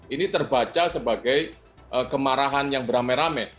ini terbaca sebagai kemarahan yang beramai ramai